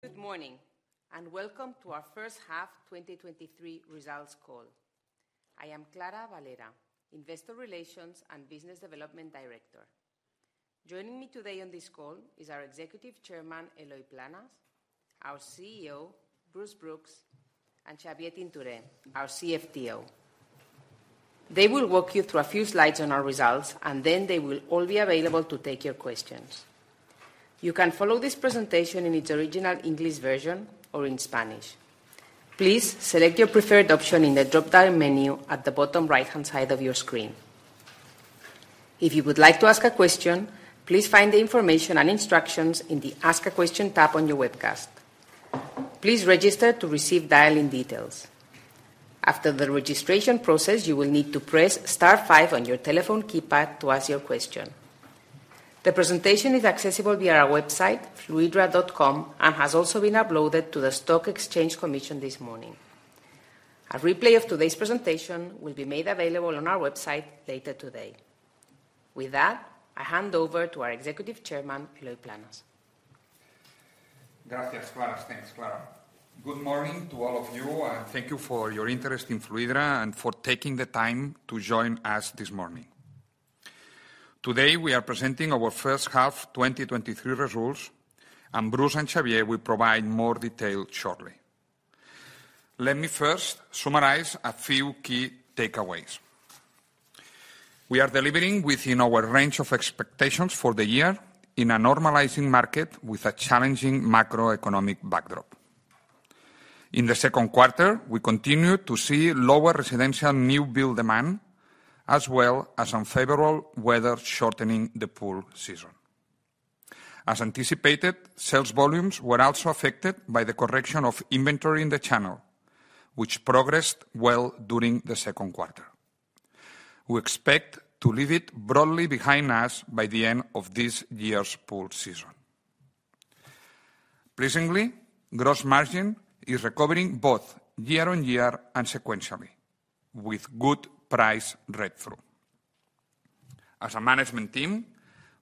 Good morning, welcome to our first half 2023 results call. I am Clara Valera, Investor Relations and Business Development Director. Joining me today on this call is our Executive Chairman, Eloy Planes, our CEO, Bruce Brooks, and Xavier Tintoré, our CFTO. They will walk you through a few slides on our results, and then they will all be available to take your questions. You can follow this presentation in its original English version or in Spanish. Please select your preferred option in the drop-down menu at the bottom right-hand side of your screen. If you would like to ask a question, please find the information and instructions in the Ask a Question tab on your webcast. Please register to receive dial-in details. After the registration process, you will need to press star five on your telephone keypad to ask your question. The presentation is accessible via our website, fluidra.com, and has also been uploaded to the Stock Exchange Commission this morning. A replay of today's presentation will be made available on our website later today. With that, I hand over to our Executive Chairman, Eloy Planes. Gracias, Clara. Thanks, Clara. Good morning to all of you, and thank you for your interest in Fluidra and for taking the time to join us this morning. Today, we are presenting our first half 2023 results. Bruce and Xavier will provide more detail shortly. Let me first summarize a few key takeaways. We are delivering within our range of expectations for the year in a normalizing market with a challenging macroeconomic backdrop. In the second quarter, we continued to see lower residential new build demand, as well as unfavorable weather, shortening the pool season. As anticipated, sales volumes were also affected by the correction of inventory in the channel, which progressed well during the second quarter. We expect to leave it broadly behind us by the end of this year's pool season. Pleasingly, gross margin is recovering both year-on-year and sequentially, with good price read-through. As a management team,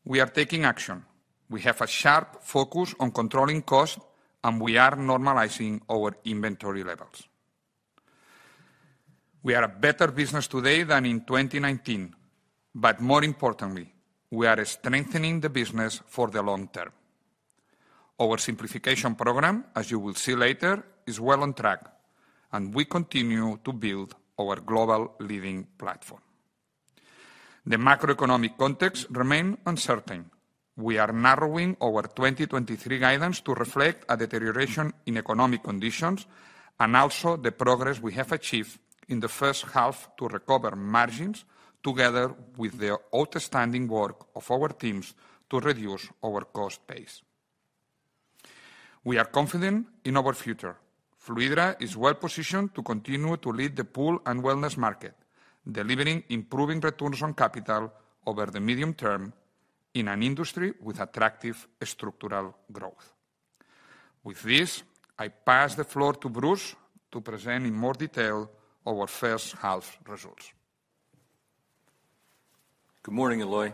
we are taking action. We have a sharp focus on controlling costs, we are normalizing our inventory levels. We are a better business today than in 2019, more importantly, we are strengthening the business for the long term. Our Simplification Program, as you will see later, is well on track, we continue to build our global leading platform. The macroeconomic context remain uncertain. We are narrowing our 2023 guidance to reflect a deterioration in economic conditions, also the progress we have achieved in the first half to recover margins, together with the outstanding work of our teams to reduce our cost base. We are confident in our future. Fluidra is well positioned to continue to lead the pool and wellness market, delivering improving returns on capital over the medium term in an industry with attractive structural growth. With this, I pass the floor to Bruce to present in more detail our first half results. Good morning, Eloy,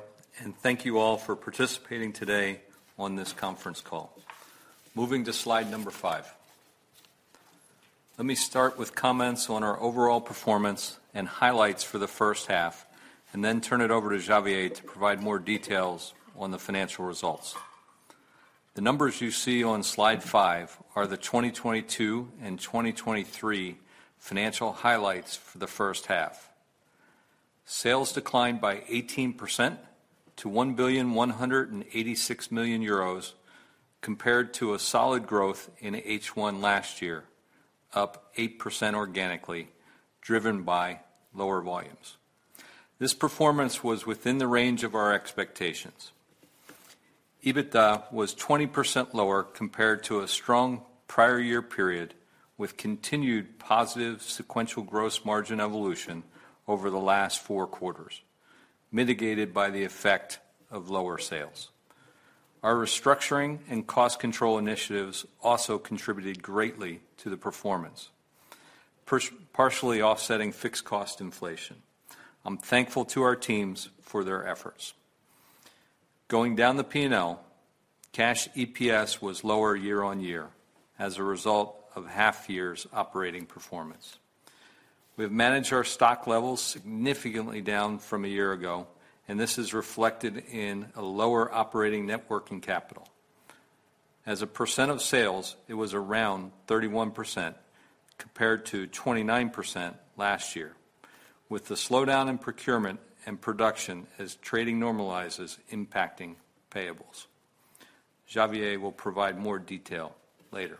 thank you all for participating today on this conference call. Moving to slide number five. Let me start with comments on our overall performance and highlights for the first half, and then turn it over to Xavier to provide more details on the financial results. The numbers you see on Slide Five are the 2022 and 2023 financial highlights for the first half. Sales declined by 18% to 1,186 million euros, compared to a solid growth in H1 last year, up 8% organically, driven by lower volumes. This performance was within the range of our expectations. EBITDA was 20% lower compared to a strong prior year period, with continued positive sequential gross margin evolution over the last four quarters, mitigated by the effect of lower sales. Our restructuring and cost control initiatives also contributed greatly to the performance, partially offsetting fixed cost inflation. I'm thankful to our teams for their efforts. Going down the P&L, cash EPS was lower year-over-year as a result of half-year's operating performance. We've managed our stock levels significantly down from a year ago, and this is reflected in a lower operating net working capital. As a percentage of sales, it was around 31%, compared to 29% last year, with the slowdown in procurement and production as trading normalizes impacting payables. Xavier will provide more detail later.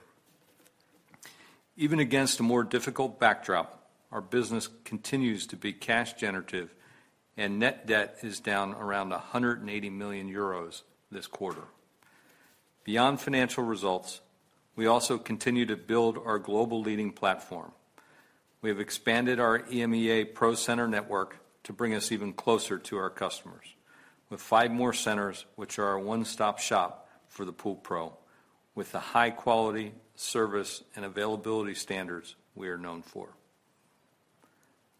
Even against a more difficult backdrop, our business continues to be cash generative, and net debt is down around 180 million euros this quarter. Beyond financial results, we also continue to build our global leading platform. We have expanded our EMEA Pro Center network to bring us even closer to our customers, with five more centers, which are a one-stop shop for the Pool Pro, with the high quality, service, and availability standards we are known for.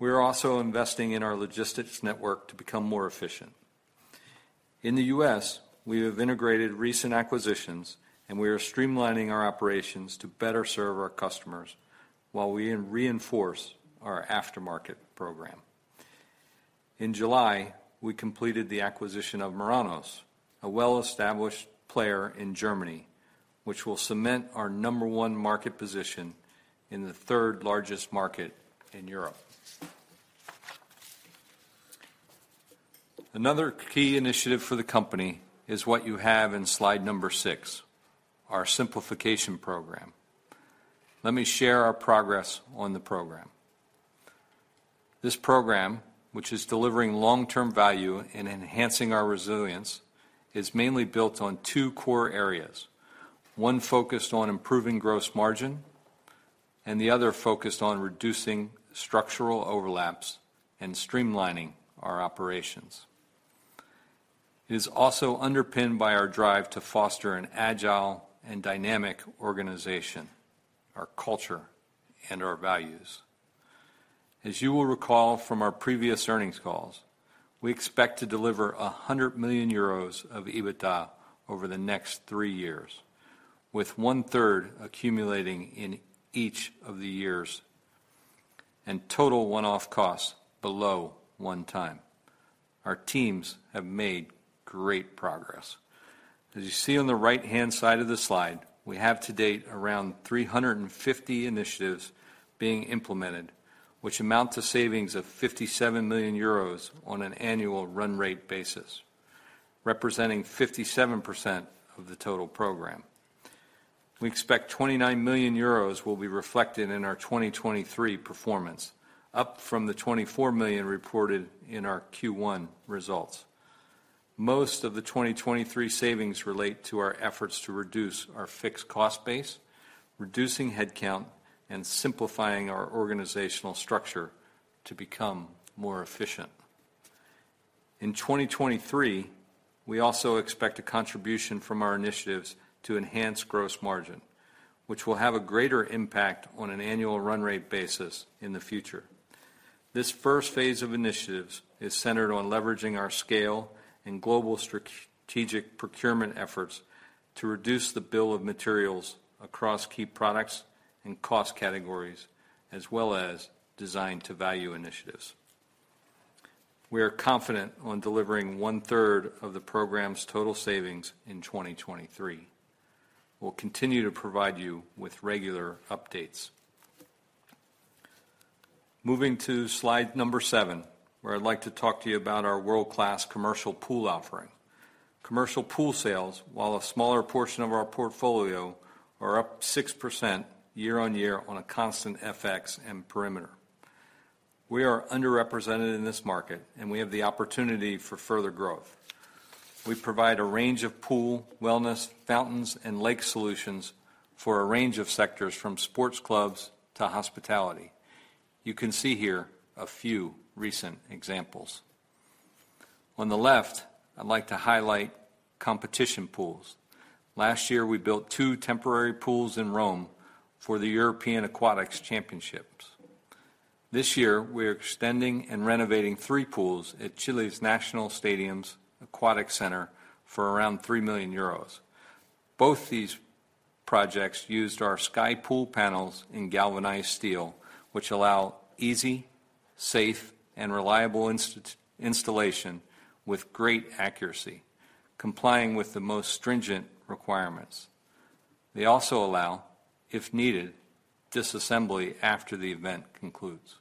We're also investing in our logistics network to become more efficient. In the U.S., we have integrated recent acquisitions, we are streamlining our operations to better serve our customers, while we reinforce our aftermarket program. In July, we completed the acquisition of Meranus, a well-established player in Germany, which will cement our number one market position in the third largest market in Europe. Another key initiative for the company is what you have in slide number six, our Simplification Program. Let me share our progress on the program. This program, which is delivering long-term value in enhancing our resilience, is mainly built on two core areas: one focused on improving gross margin, and the other focused on reducing structural overlaps and streamlining our operations. It is also underpinned by our drive to foster an agile and dynamic organization, our culture, and our values. As you will recall from our previous earnings calls, we expect to deliver 100 million euros of EBITDA over the next three years, with 1/3 accumulating in each of the years, and total one-off costs below 1x. Our teams have made great progress. As you see on the right-hand side of the slide, we have to date around 350 initiatives being implemented, which amount to savings of 57 million euros on an annual run rate basis, representing 57% of the total program. We expect 29 million euros will be reflected in our 2023 performance, up from the 24 million reported in our Q1 results. Most of the 2023 savings relate to our efforts to reduce our fixed cost base, reducing headcount, and simplifying our organizational structure to become more efficient. In 2023, we also expect a contribution from our initiatives to enhance gross margin, which will have a greater impact on an annual run rate basis in the future. This first phase of initiatives is centered on leveraging our scale and global strategic procurement efforts to reduce the bill of materials across key products and cost categories, as well as design-to-value initiatives. We are confident on delivering 1/3 of the program's total savings in 2023. We'll continue to provide you with regular updates. Moving to slide number seven, where I'd like to talk to you about our world-class commercial pool offering. Commercial pool sales, while a smaller portion of our portfolio, are up 6% year-on-year on a constant FX and perimeter. We are underrepresented in this market, and we have the opportunity for further growth. We provide a range of pool, wellness, fountains, and lake solutions for a range of sectors, from sports clubs to hospitality. You can see here a few recent examples. On the left, I'd like to highlight competition pools. Last year, we built two temporary pools in Rome for the European Aquatics Championships. This year, we are extending and renovating three pools at Chile's National Stadium's Aquatic Center for around 3 million euros. Both these projects used our Skypool panels in galvanized steel, which allow easy, safe, and reliable installation with great accuracy, complying with the most stringent requirements. They also allow, if needed, disassembly after the event concludes.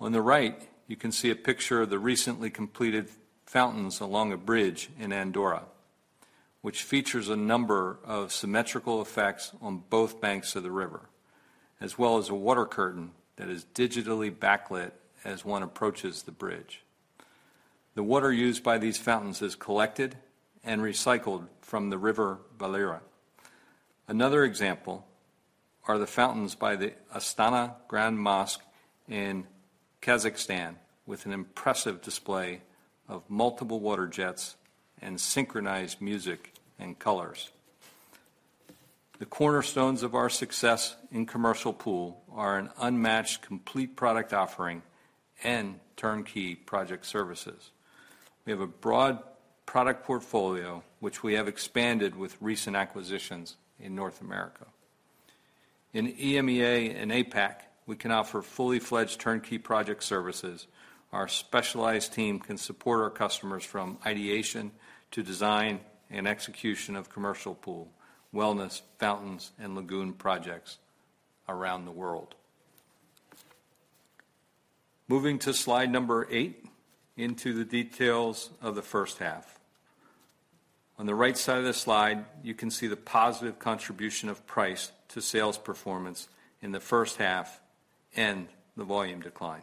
On the right, you can see a picture of the recently completed fountains along a bridge in Andorra, which features a number of symmetrical effects on both banks of the river, as well as a water curtain that is digitally backlit as one approaches the bridge. The water used by these fountains is collected and recycled from the River Valira. Another example are the fountains by the Astana Grand Mosque in Kazakhstan, with an impressive display of multiple water jets and synchronized music and colors. The cornerstones of our success in commercial pool are an unmatched complete product offering and turnkey project services. We have a broad product portfolio, which we have expanded with recent acquisitions in North America. In EMEA and APAC, we can offer fully fledged turnkey project services. Our specialized team can support our customers from ideation to design and execution of commercial pool, wellness, fountains, and lagoon projects around the world. Moving to slide number eight, into the details of the first half. On the right side of the slide, you can see the positive contribution of price to sales performance in the first half and the volume decline.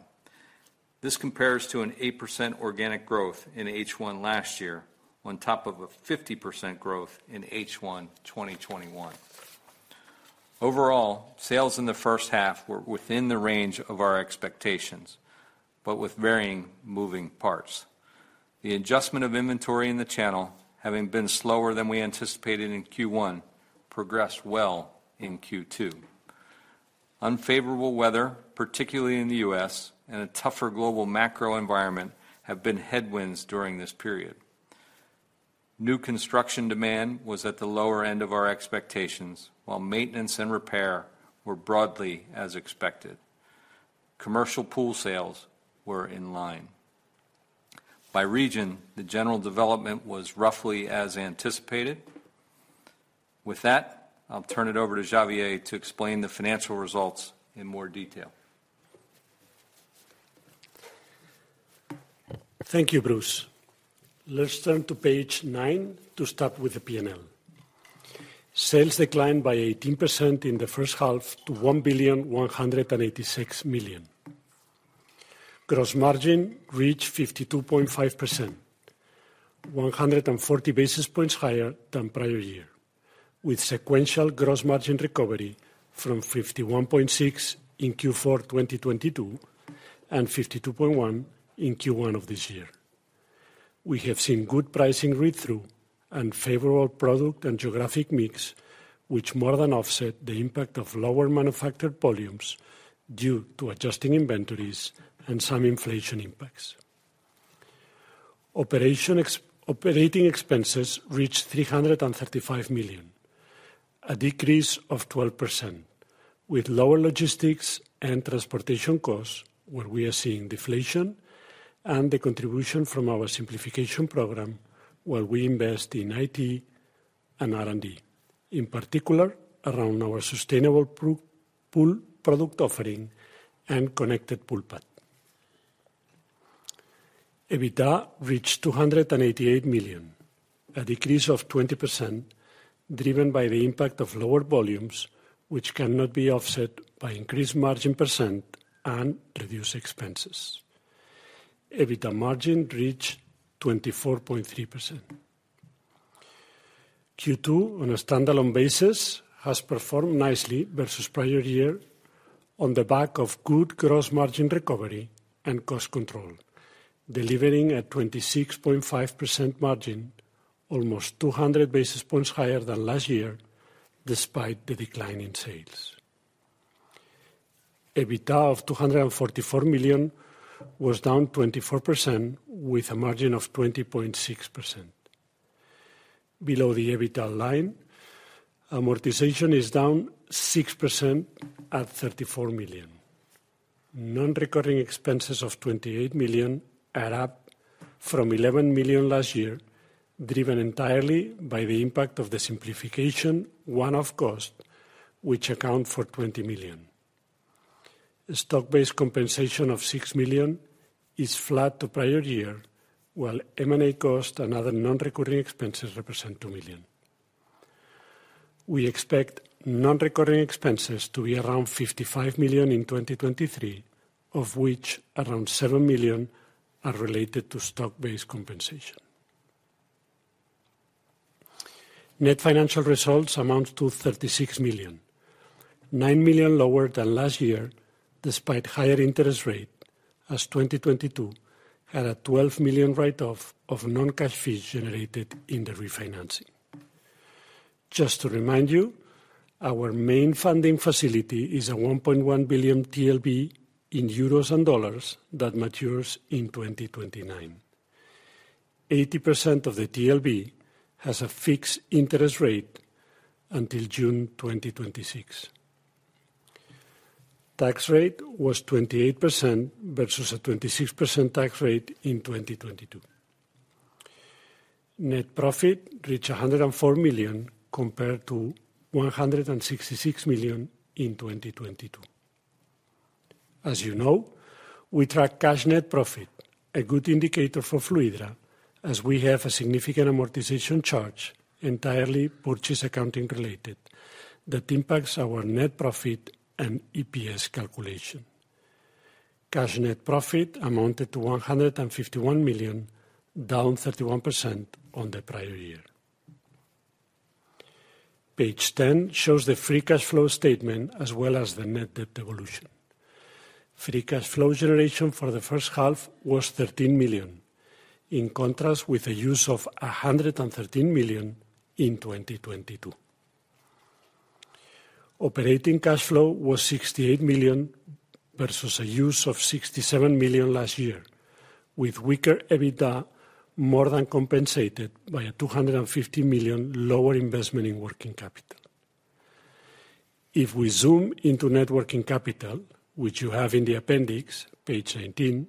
This compares to an 8% organic growth in H1 last year, on top of a 50% growth in H1 2021. Overall, sales in the first half were within the range of our expectations, but with varying moving parts. The adjustment of inventory in the channel, having been slower than we anticipated in Q1, progressed well in Q2. Unfavorable weather, particularly in the U.S., and a tougher global macro environment, have been headwinds during this period. New construction demand was at the lower end of our expectations, while maintenance and repair were broadly as expected. Commercial pool sales were in line. By region, the general development was roughly as anticipated. With that, I'll turn it over to Xavier to explain the financial results in more detail. Thank you, Bruce. Let's turn to page nine to start with the P&L. Sales declined by 18% in the first half to 1,186 million. Gross margin reached 52.5%, 140 basis points higher than prior year, with sequential gross margin recovery from 51.6% in Q4 2022, and 52.1% in Q1 of this year. We have seen good pricing read-through and favorable product and geographic mix, which more than offset the impact of lower manufactured volumes due to adjusting inventories and some inflation impacts. Operating expenses reached 335 million, a decrease of 12%, with lower logistics and transportation costs, where we are seeing deflation and the contribution from our Simplification Program, where we invest in IT and R&D, in particular, around our sustainable Pro Pool product offering and connected pool pad. EBITDA reached 288 million, a decrease of 20%, driven by the impact of lower volumes, which cannot be offset by increased margin % and reduced expenses. EBITDA margin reached 24.3%. Q2, on a standalone basis, has performed nicely versus prior year on the back of good gross margin recovery and cost control, delivering a 26.5% margin, almost 200 basis points higher than last year, despite the decline in sales. EBITDA of 244 million was down 24%, with a margin of 20.6%. Below the EBITDA line, amortization is down 6% at 34 million. Non-recurring expenses of 28 million are up from 11 million last year, driven entirely by the impact of the Simplification one-off cost, which account for 20 million. Stock-based compensation of 6 million is flat to prior year, while M&A costs and other non-recurring expenses represent 2 million. We expect non-recurring expenses to be around 55 million in 2023, of which around 7 million are related to stock-based compensation. Net financial results amount to 36 million, 9 million lower than last year, despite higher interest rate, as 2022 had a 12 million write-off of non-cash fees generated in the refinancing. Just to remind you, our main funding facility is a 1.1 billion TLB in euros and dollars that matures in 2029. 80% of the TLB has a fixed interest rate until June 2026. Tax rate was 28% versus a 26% tax rate in 2022. Net profit reached 104 million, compared to 166 million in 2022. As you know, we track Cash Net Profit, a good indicator for Fluidra, as we have a significant amortization charge, entirely purchase accounting related, that impacts our net profit and EPS calculation. Cash Net Profit amounted to 151 million, down 31% on the prior year. Page 10 shows the free cash flow statement as well as the net debt evolution. Free cash flow generation for the first half was 13 million, in contrast with the use of 113 million in 2022. Operating cash flow was 68 million versus a use of 67 million last year, with weaker EBITDA more than compensated by a 250 million lower investment in working capital. If we zoom into net working capital, which you have in the appendix, page 19,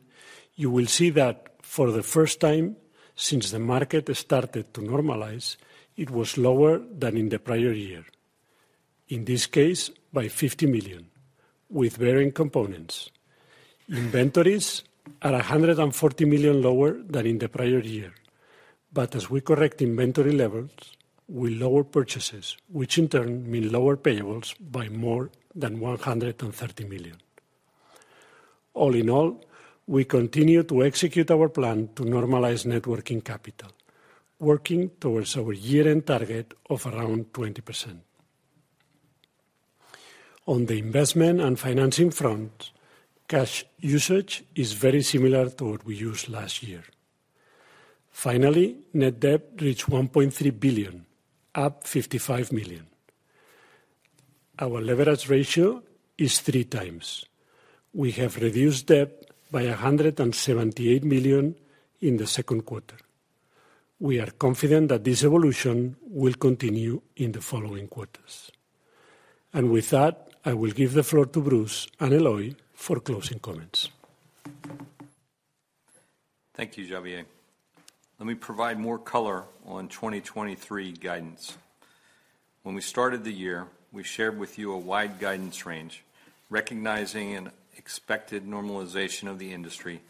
you will see that for the first time since the market started to normalize, it was lower than in the prior year. In this case, by 50 million, with varying components. Inventories are 140 million lower than in the prior year, but as we correct inventory levels, we lower purchases, which in turn mean lower payables by more than 130 million. All in all, we continue to execute our plan to normalize net working capital, working towards our year-end target of around 20%. On the investment and financing front, cash usage is very similar to what we used last year. Finally, net debt reached 1.3 billion, up 55 million. Our leverage ratio is 3x. We have reduced debt by 178 million in the second quarter. We are confident that this evolution will continue in the following quarters. With that, I will give the floor to Bruce and Eloy for closing comments. Thank you, Xavier. Let me provide more color on 2023 guidance. When we started the year, we shared with you a wide guidance range, recognizing an expected normalization of the industry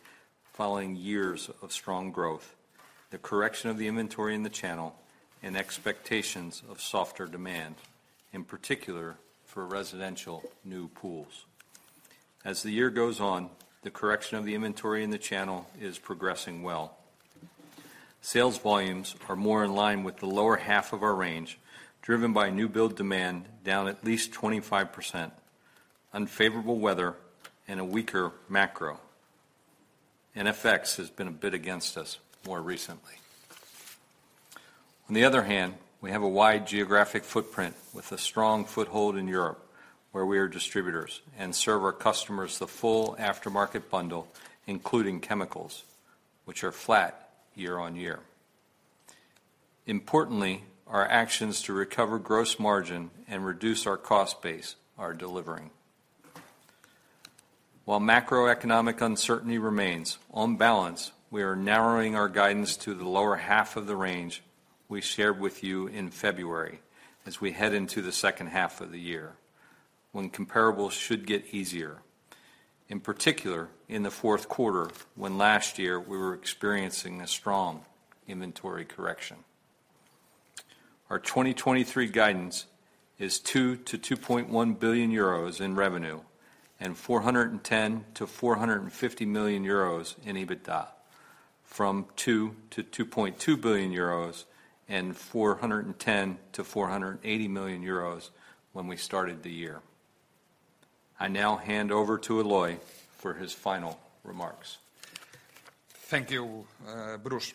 following years of strong growth, the correction of the inventory in the channel, and expectations of softer demand, in particular, for residential new pools. As the year goes on, the correction of the inventory in the channel is progressing well. Sales volumes are more in line with the lower half of our range, driven by new build demand, down at least 25%, unfavorable weather, and a weaker macro. NFX has been a bit against us more recently. On the other hand, we have a wide geographic footprint with a strong foothold in Europe, where we are distributors and serve our customers the full aftermarket bundle, including chemicals, which are flat year-on-year. Importantly, our actions to recover gross margin and reduce our cost base are delivering. While macroeconomic uncertainty remains, on balance, we are narrowing our guidance to the lower half of the range we shared with you in February as we head into the second half of the year, when comparables should get easier, in particular, in the fourth quarter, when last year we were experiencing a strong inventory correction. Our 2023 guidance is 2 billion-2.1 billion euros in revenue and 410 million-450 million euros in EBITDA, from 2 billion-2.2 billion euros and 410 million-480 million euros when we started the year. I now hand over to Eloy for his final remarks. Thank you, Bruce.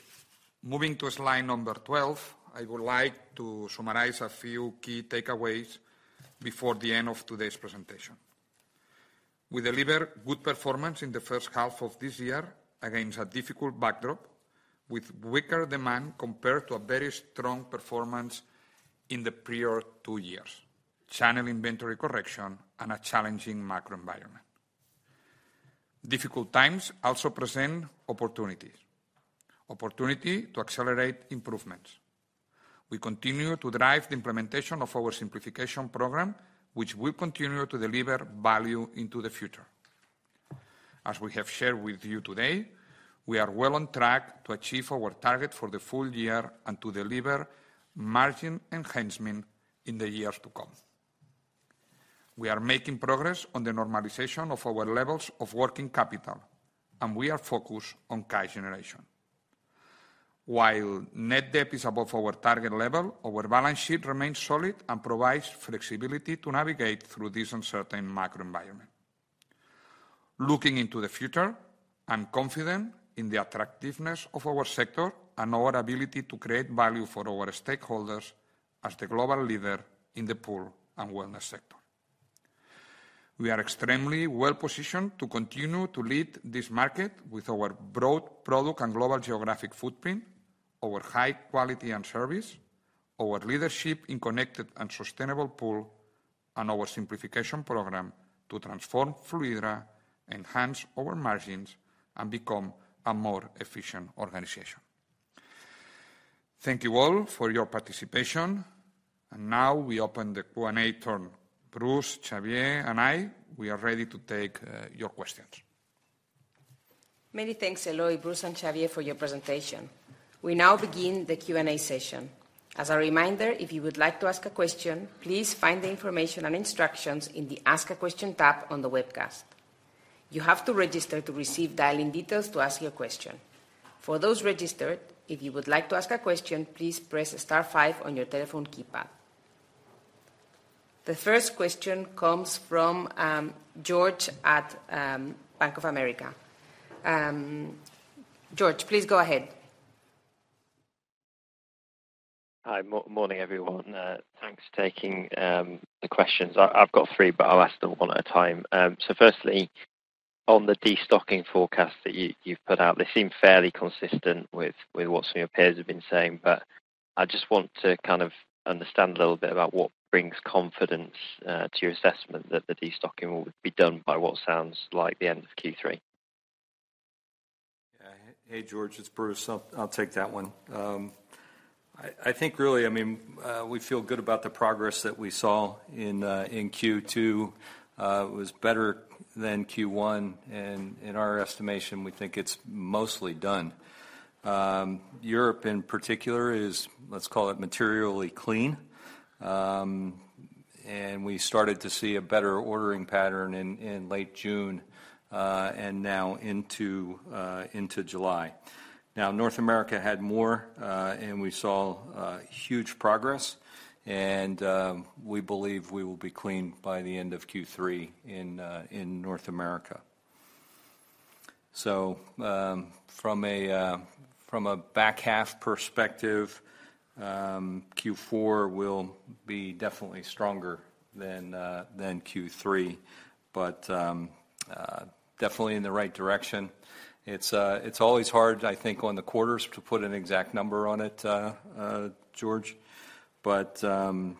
Moving to slide number 12, I would like to summarize a few key takeaways before the end of today's presentation. We deliver good performance in the first half of this year against a difficult backdrop, with weaker demand compared to a very strong performance in the prior two years, channel inventory correction, and a challenging macro environment. Difficult times also present opportunities, opportunity to accelerate improvements. We continue to drive the implementation of our Simplification Program, which will continue to deliver value into the future. As we have shared with you today, we are well on track to achieve our target for the full year and to deliver margin enhancement in the years to come. We are making progress on the normalization of our levels of working capital. We are focused on cash generation. While net debt is above our target level, our balance sheet remains solid and provides flexibility to navigate through this uncertain macro environment. Looking into the future, I'm confident in the attractiveness of our sector and our ability to create value for our stakeholders as the global leader in the pool and wellness sector. We are extremely well-positioned to continue to lead this market with our broad product and global geographic footprint, our high quality and service, our leadership in connected and sustainable pool, and our Simplification Program to transform Fluidra, enhance our margins, and become a more efficient organization. Thank you all for your participation. Now we open the Q&A turn. Bruce, Xavier, and I, we are ready to take your questions. Many thanks, Eloy, Bruce, and Xavier, for your presentation. We now begin the Q&A session. As a reminder, if you would like to ask a question, please find the information and instructions in the Ask a Question tab on the webcast. You have to register to receive dialing details to ask your question. For those registered, if you would like to ask a question, please press star five on your telephone keypad. The first question comes from George at Bank of America. George, please go ahead. Hi. Morning, everyone. Thanks for taking the questions. I've got three, but I'll ask them one at a time. Firstly, on the destocking forecast that you've put out, they seem fairly consistent with what some of your peers have been saying, but I just want to kind of understand a little bit about what brings confidence to your assessment that the destocking will be done by what sounds like the end of Q3. Yeah. Hey, George, it's Bruce. I'll, I'll take that one. I, I think really, I mean, we feel good about the progress that we saw in Q2. It was better than Q1, and in our estimation, we think it's mostly done. Europe, in particular, is, let's call it, materially clean. We started to see a better ordering pattern in, in late June, and now into July. North America had more, and we saw huge progress, and we believe we will be clean by the end of Q3 in North America. From a back half perspective, Q4 will be definitely stronger than Q3. Definitely in the right direction. It's, it's always hard, I think, on the quarters, to put an exact number on it, George. From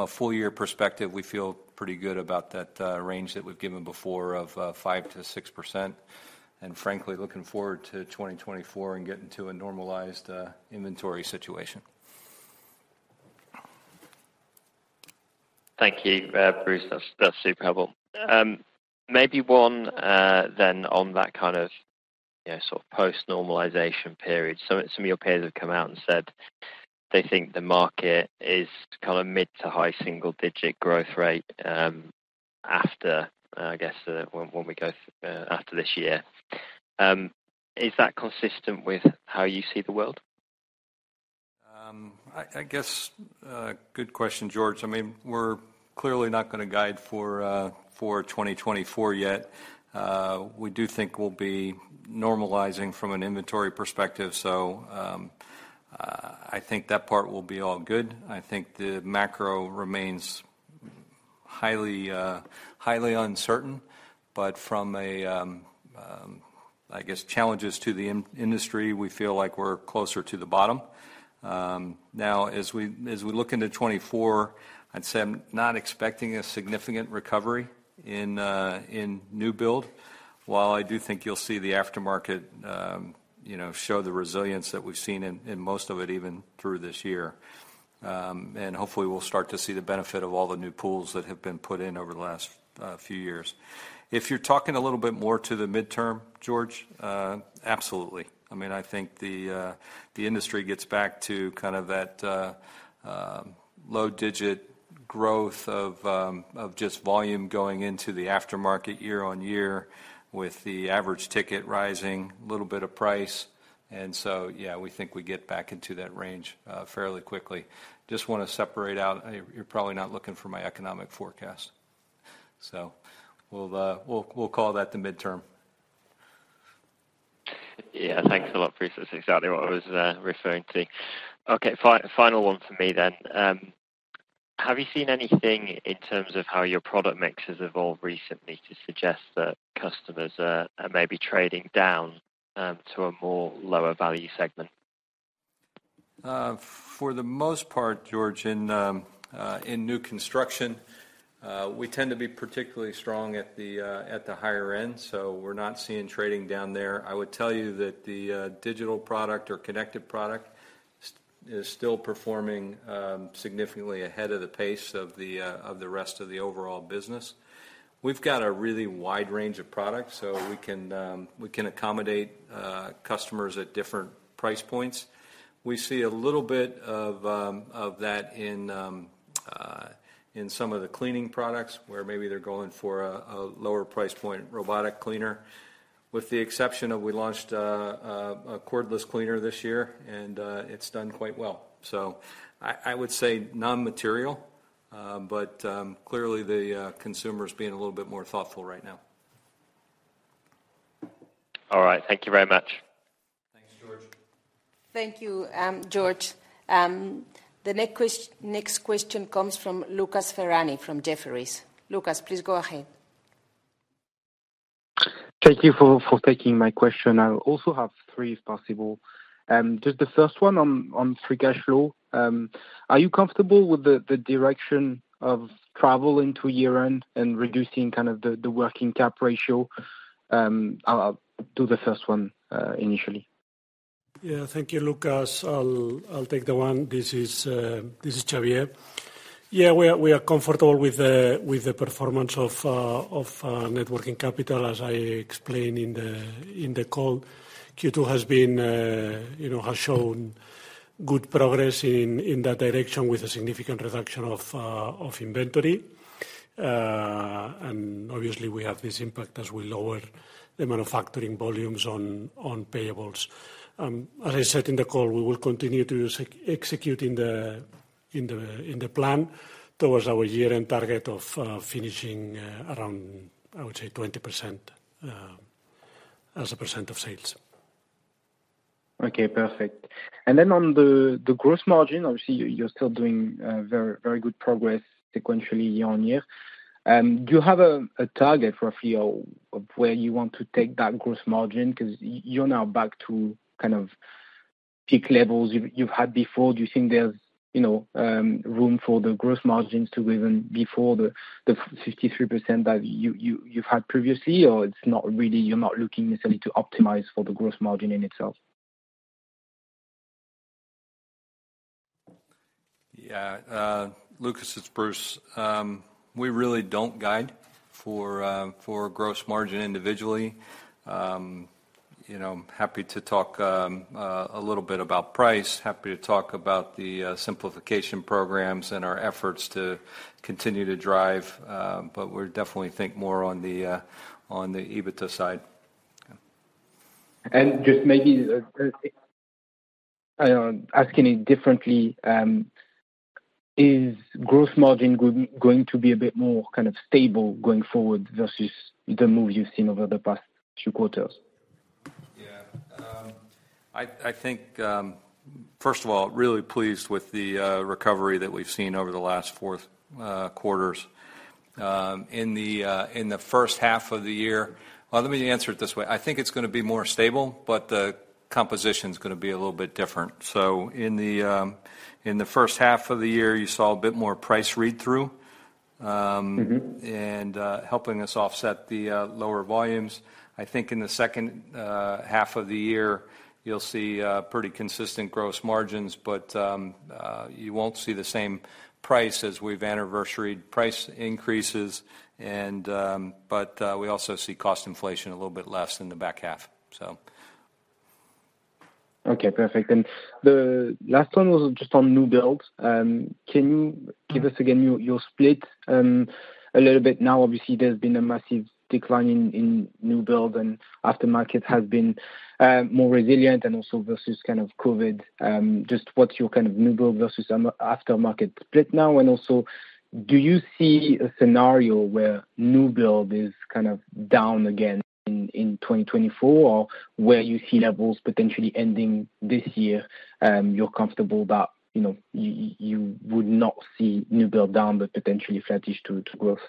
a full year perspective, we feel pretty good about that range that we've given before of 5%-6%, and frankly looking forward to 2024 and getting to a normalized inventory situation. Thank you, Bruce. That's, that's super helpful. Maybe one, then on that kind of, yeah, sort of post-normalization period. Some of your peers have come out and said they think the market is kind of mid to high single digit growth rate, after, I guess, the, when we go after this year. Is that consistent with how you see the world? I, I guess, good question, George. I mean, we're clearly not gonna guide for 2024 yet. We do think we'll be normalizing from an inventory perspective, so I think that part will be all good. I think the macro remains highly, highly uncertain, but from a, I guess, challenges to the industry, we feel like we're closer to the bottom. Now, as we, as we look into 2024, I'd say I'm not expecting a significant recovery in new build. While I do think you'll see the aftermarket, you know, show the resilience that we've seen in, in most of it, even through this year. Hopefully we'll start to see the benefit of all the new pools that have been put in over the last few years. If you're talking a little bit more to the midterm, George, absolutely. I mean, I think the, the industry gets back to kind of that low digit growth of just volume going into the aftermarket year on year, with the average ticket rising, little bit of price. Yeah, we think we get back into that range fairly quickly. Just want to separate out, you're, you're probably not looking for my economic forecast, so we'll, we'll call that the midterm. Yeah. Thanks a lot, Bruce. That's exactly what I was referring to. Okay, final one for me then. Have you seen anything in terms of how your product mix has evolved recently to suggest that customers are, are maybe trading down to a more lower value segment? For the most part, George, in new construction, we tend to be particularly strong at the higher end, so we're not seeing trading down there. I would tell you that the digital product or connected product is still performing significantly ahead of the pace of the rest of the overall business. We've got a really wide range of products, so we can accommodate customers at different price points. We see a little bit of that in some of the cleaning products, where maybe they're going for a lower price point robotic cleaner. With the exception of we launched a cordless cleaner this year, and it's done quite well. I, I would say non-material, but, clearly the consumer is being a little bit more thoughtful right now. All right. Thank you very much. Thanks, George. Thank you, George. The next next question comes from Lucas Ferhani from Jefferies. Lucas, please go ahead. Thank you for, for taking my question. I also have three, if possible. Just the first one on, on free cash flow. Are you comfortable with the, the direction of travel into year-end and reducing kind of the, the working cap ratio? I'll, I'll do the first one, initially. Yeah. Thank you, Lucas. I'll take that one. This is Xavier. Yeah, we are comfortable with the performance of networking capital. As I explained in the call, Q2 has been, you know, has shown good progress in that direction with a significant reduction of inventory. Obviously we have this impact as we lower the manufacturing volumes on payables. As I said in the call, we will continue to executing the plan towards our year-end target of finishing around, I would say, 20% as a percent of sales. Okay, perfect. Then on the, the gross margin, obviously you're still doing very, very good progress sequentially year on year. Do you have a, a target for a few of where you want to take that gross margin? Because you're now back to kind of peak levels you've, you've had before. Do you think there's, you know, room for the gross margins to even before the 53% that you've had previously, or it's not really, you're not looking necessarily to optimize for the gross margin in itself? Yeah, Lucas, it's Bruce. We really don't guide for, for gross margin individually. You know, happy to talk, a little bit about price. Happy to talk about the Simplification Programs and our efforts to continue to drive, but we're definitely think more on the EBITDA side. Just maybe, asking it differently, is gross margin going to be a bit more kind of stable going forward versus the move you've seen over the past few quarters? Yeah. I, I think, first of all, really pleased with the recovery that we've seen over the last fourth quarters. In the in the first half of the year, well, let me answer it this way: I think it's gonna be more stable, but the composition's gonna be a little bit different. In the in the first half of the year, you saw a bit more price read-through. Mm-hmm. Helping us offset the lower volumes. I think in the second half of the year, you'll see pretty consistent gross margins, but you won't see the same price as we've anniversaried price increases, but we also see cost inflation a little bit less in the back half. Okay, perfect. The last one was just on new builds. Can you give us again your, your split, a little bit? Now, obviously, there's been a massive decline in, in new build, and aftermarket has been, more resilient and also versus kind of COVID. Just what's your kind of new build versus aftermarket split now? Also, do you see a scenario where new build is kind of down again in, in 2024? Or where you see levels potentially ending this year, you're comfortable that, you know, you would not see new build down but potentially flattish to, to growth?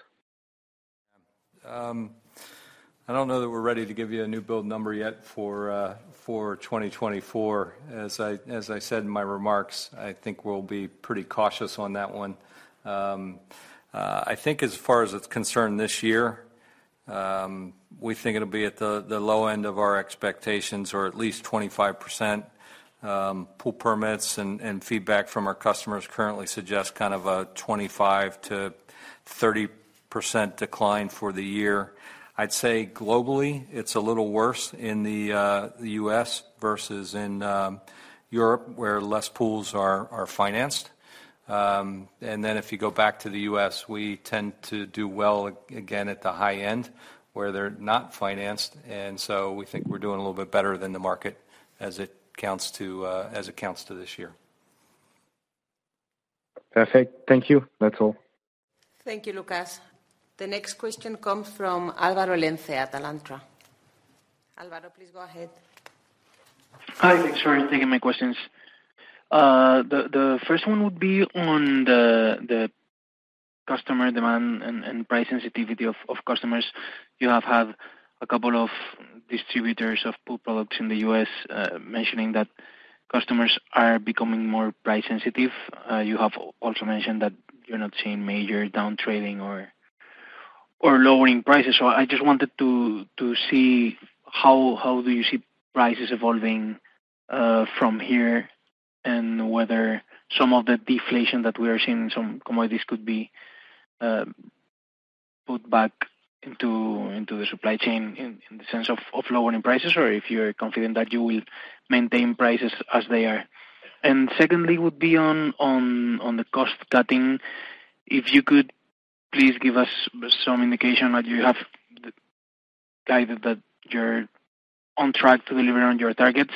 I don't know that we're ready to give you a new build number yet for 2024. As I, as I said in my remarks, I think we'll be pretty cautious on that one. I think as far as it's concerned this year, we think it'll be at the, the low end of our expectations, or at least 25%. Pool permits and, and feedback from our customers currently suggest kind of a 25%-30% decline for the year. I'd say globally, it's a little worse in the U.S. versus in Europe, where less pools are, are financed. If you go back to the U.S., we tend to do well again at the high end, where they're not financed, and so we think we're doing a little bit better than the market as it counts to, as it counts to this year. Perfect. Thank you. That's all. Thank you, Lucas. The next question comes from Álvaro Lenze at Alantra. Alvaro, please go ahead. Hi, thanks for taking my questions. The first one would be on the customer demand and price sensitivity of customers. You have had a couple of distributors of pool products in the U.S., mentioning that customers are becoming more price sensitive. You have also mentioned that you're not seeing major downtrading or lowering prices. I just wanted to see how do you see prices evolving from here, and whether some of the deflation that we are seeing in some commodities could be put back into the supply chain in the sense of lowering prices, or if you're confident that you will maintain prices as they are. Secondly, would be on the cost cutting. If you could please give us some indication that you have guided that you're on track to deliver on your targets,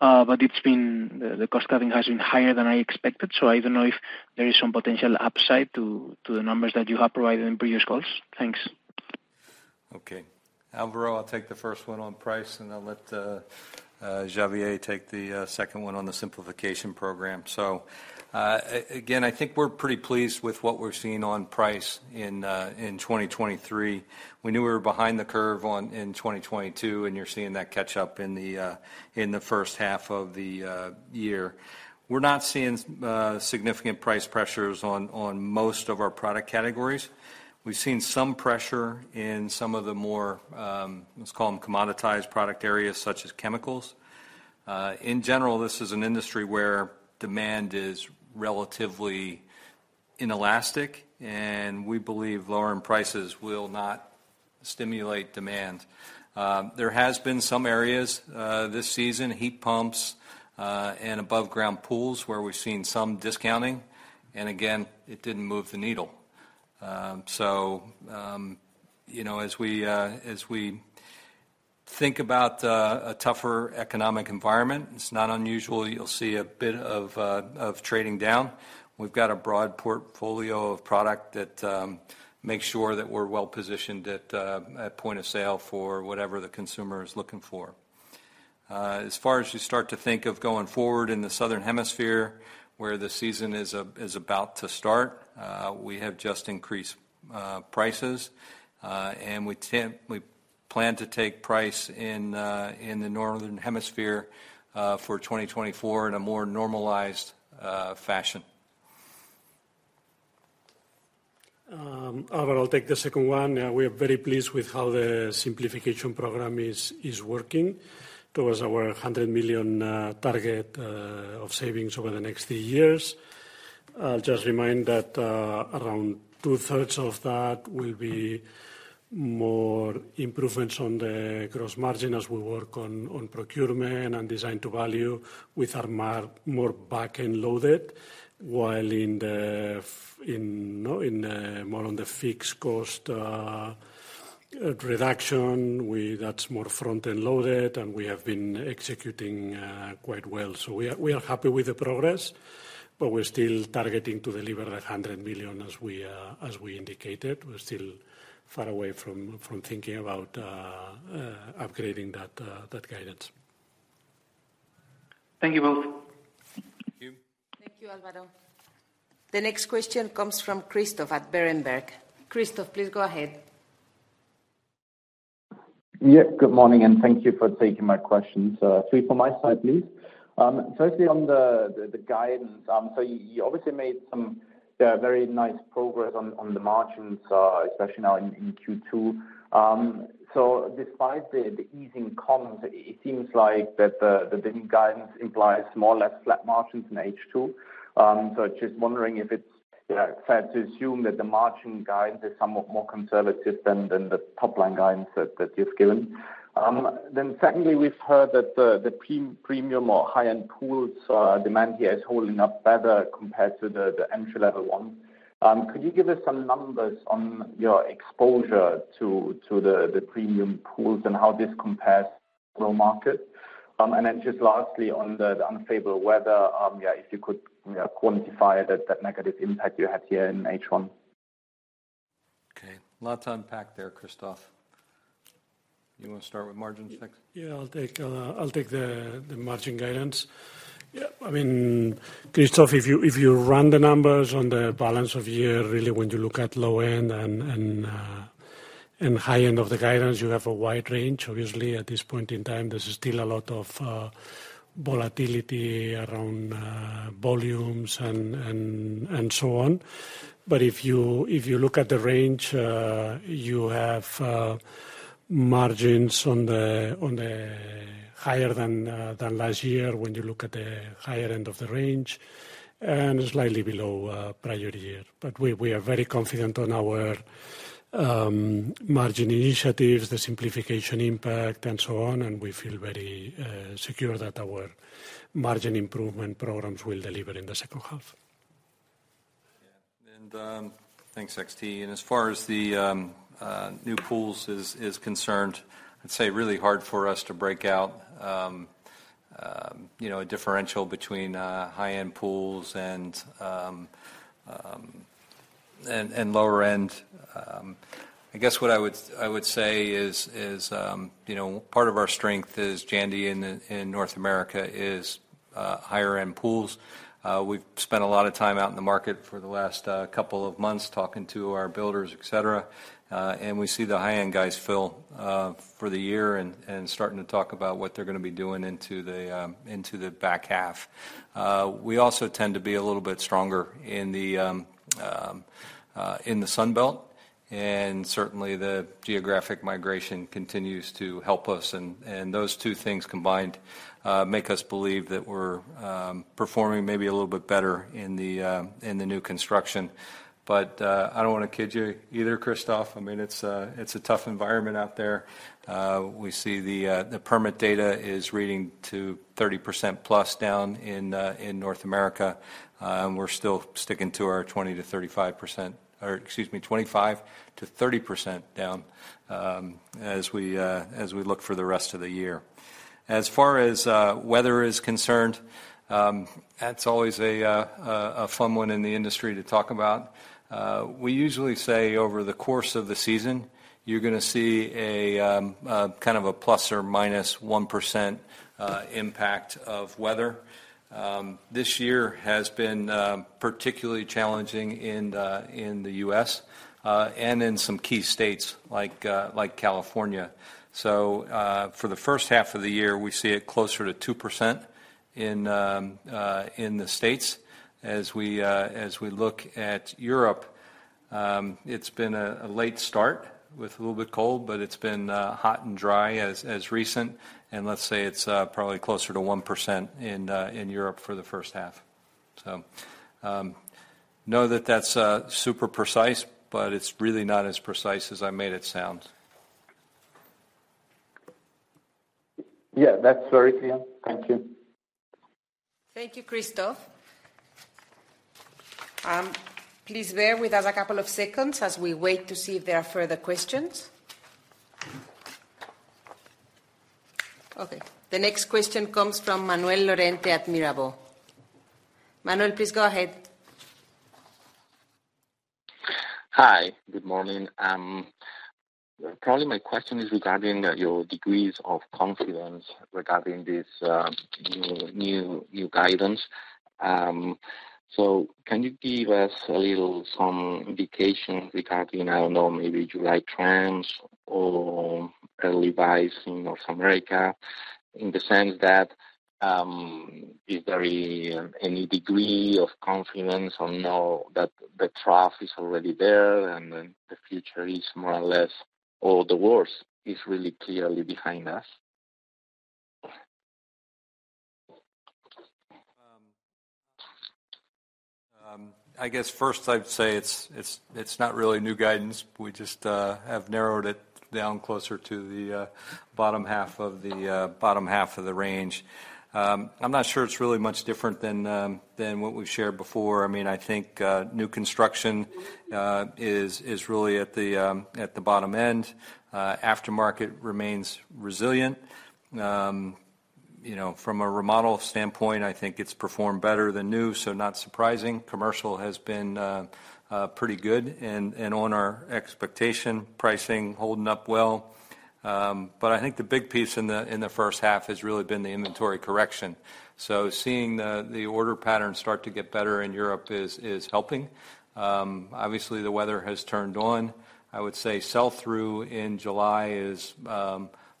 but it's been, the cost cutting has been higher than I expected, so I don't know if there is some potential upside to the numbers that you have provided in previous calls. Thanks. Okay. Álvaro, I'll take the first one on price, and I'll let Xavier take the second one on the Simplification Program. Again, I think we're pretty pleased with what we're seeing on price in 2023. We knew we were behind the curve on, in 2022, and you're seeing that catch up in the first half of the year. We're not seeing significant price pressures on, on most of our product categories. We've seen some pressure in some of the more, let's call them commoditized product areas, such as chemicals. In general, this is an industry where demand is relatively inelastic, and we believe lower end prices will not stimulate demand. There has been some areas, this season, heat pumps, and above-ground pools, where we've seen some discounting, and again, it didn't move the needle. So, you know, as we, as we think about a tougher economic environment, it's not unusual, you'll see a bit of trading down. We've got a broad portfolio of product that makes sure that we're well positioned at point of sale for whatever the consumer is looking for. As far as you start to think of going forward in the Southern Hemisphere, where the season is about to start, we have just increased prices, and we plan to take price in the Northern Hemisphere for 2024 in a more normalized fashion. Alvaro, I'll take the second one. We are very pleased with how the Simplification Program is working towards our 100 million target of savings over the next three years. I'll just remind that around 2/3 of that will be more improvements on the gross margin as we work on procurement and design-to-value with our more back-end loaded, while more on the fixed cost, reduction, that's more front-end loaded, and we have been executing, quite well. We are, we are happy with the progress, but we're still targeting to deliver 100 million as we, as we indicated. We're still far away from, from thinking about, upgrading that, that guidance. Thank you, both. Thank you. Thank you, Álvaro. The next question comes from Christoph at Berenberg. Christoph, please go ahead. Yeah, good morning, and thank you for taking my questions. Three for my side, please. Firstly, on the, the, the guidance. You, you obviously made some very nice progress on, on the margins, especially now in, in Q2. Despite the, the easing cons, it seems like that the, the guidance implies more or less flat margins in H2. Just wondering if it's fair to assume that the margin guidance is somewhat more conservative than, than the top-line guidance that, that you've given? Secondly, we've heard that the, the premium or high-end pools, demand here is holding up better compared to the, the entry-level one. Could you give us some numbers on your exposure to, to the, the premium pools and how this compares to the market? Then just lastly, on the, the unfavorable weather, if you could, quantify that, that negative impact you had here in H1? Okay, lots to unpack there, Christoph. You wanna start with margins, next? Yeah, I'll take, I'll take the, the margin guidance. Yeah, I mean, Christoph, if you, if you run the numbers on the balance of year, really when you look at low end and, and, and high end of the guidance, you have a wide range. Obviously, at this point in time, there's still a lot of volatility around volumes and, and, and so on. If you, if you look at the range, you have margins on the, on the higher than last year, when you look at the higher end of the range, and slightly below prior year. We, we are very confident on our margin initiatives, the Simplification impact, and so on, and we feel very secure that our margin improvement programs will deliver in the second half. Yeah. Thanks, XT. As far as the new pools is concerned, I'd say really hard for us to break out, you know, a differential between high-end pools and lower end. I guess what I would say is, you know, part of our strength is Jandy in North America is higher-end pools. We've spent a lot of time out in the market for the last couple of months, talking to our builders, et cetera, and we see the high-end guys fill for the year and starting to talk about what they're gonna be doing into the back half. We also tend to be a little bit stronger in the Sun Belt, and certainly the geographic migration continues to help us. Those two things combined make us believe that we're performing maybe a little bit better in the new construction. I don't wanna kid you either, Christoph. I mean, it's a tough environment out there. We see the permit data is reading to 30%+ down in North America, and we're still sticking to our 20%-35%, or excuse me, 25%-30% down as we look for the rest of the year. As far as weather is concerned, that's always a fun one in the industry to talk about. We usually say over the course of the season, you're gonna see a ±1% impact of weather. This year has been particularly challenging in the U.S. and in some key states, like California. For the first half of the year, we see it closer to 2% in the States. As we look at Europe, it's been a late start with a little bit cold, but it's been hot and dry as recent, and let's say it's probably closer to 1% in Europe for the first half. Know that that's super precise, but it's really not as precise as I made it sound. Yeah, that's very clear. Thank you. Thank you, Christoph. Please bear with us a couple of seconds as we wait to see if there are further questions. Okay, the next question comes from Manuel Lorente at Mirabaud. Manuel, please go ahead. Hi, good morning. Probably my question is regarding your degrees of confidence regarding this new, new, new guidance. Can you give us a little some indication regarding, I don't know, maybe July trends or early buys in North America, in the sense that, is there any degree of confidence or no, that the trough is already there, and then the future is more or less, or the worst is really clearly behind us? I guess first I'd say it's, it's, it's not really new guidance. We just have narrowed it down closer to the bottom half of the bottom half of the range. I'm not sure it's really much different than what we've shared before. I mean, I think new construction is, is really at the bottom end. Aftermarket remains resilient. you know, from a remodel standpoint, I think it's performed better than new, so not surprising. Commercial has been pretty good and, and on our expectation, pricing holding up well. I think the big piece in the, in the first half has really been the inventory correction. Seeing the, the order pattern start to get better in Europe is, is helping. Obviously, the weather has turned on. I would say sell-through in July is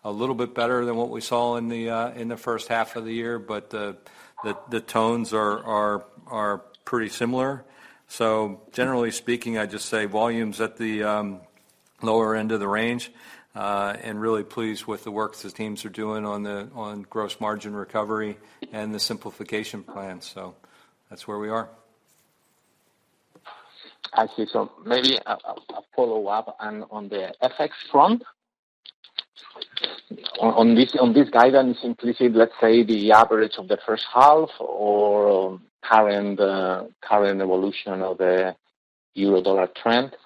a little bit better than what we saw in the first half of the year, but the, the, the tones are, are, are pretty similar. Generally speaking, I'd just say volume's at the lower end of the range, and really pleased with the work the teams are doing on the, on gross margin recovery and the Simplification plan. That's where we are. I see. Maybe a follow-up and on the FX front. On this guidance, inclusive, let's say the average of the first half or current current evolution of the euro-dollar trend?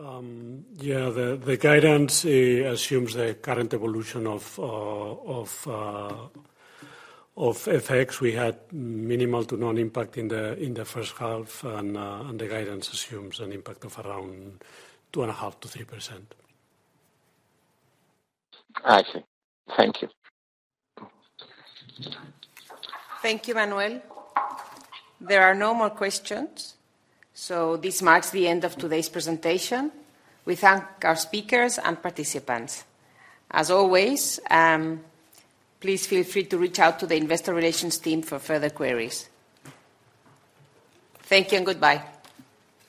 Yeah, the, the guidance assumes the current evolution of, of, of FX. We had minimal to non-impact in the, in the first half, and the guidance assumes an impact of around 2.5%-3%. I see. Thank you. Thank you, Manuel. There are no more questions. This marks the end of today's presentation. We thank our speakers and participants. As always, please feel free to reach out to the investor relations team for further queries. Thank you and goodbye.